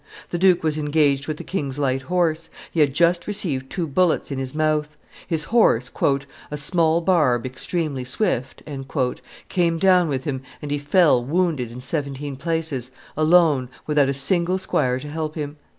The duke was engaged with the king's light horse; he had just received two bullets in his mouth. His horse, "a small barb, extremely swift," came down with him and he fell wounded in seventeen places, alone, without a single squire to help him.